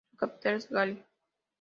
Su capital es Gali.